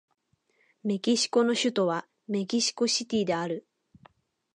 メキシコの首都はメキシコシティである